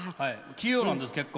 器用なんです、結構。